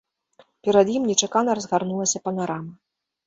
Перад ім нечакана разгарнулася панарама.